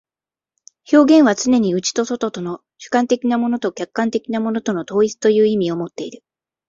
表現はつねに内と外との、主観的なものと客観的なものとの統一という意味をもっている。